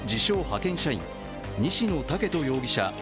・派遣社員西野豪人容疑者